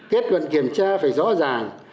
kết luận kiểm tra phải rõ ràng